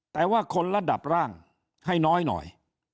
แต่ว่าคนระดับร่างให้น้อยหน่อย